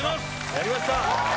やりました。